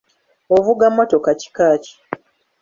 Ovuga mmotoka kika ki?